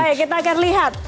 baik kita akan lihat